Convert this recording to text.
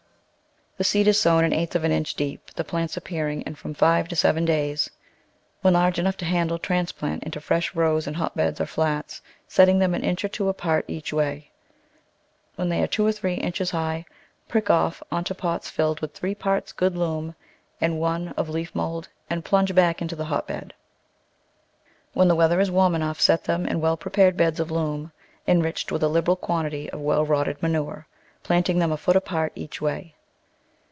The seed is sown an eighth of an inch deep, the plants appearing in from five to seven days. When large enough to handle transplant into fresh rows in hotbed or flats, setting them an inch or two apart each way. When they are two or three inches high prick off into pots filled with three parts good loam and one of leaf mould and plunge back into the hotbed. When the weather is warm enough set them in well prepared beds of loam, enriched with a liberal quantity of well rotted manure, planting them a foot apart each way.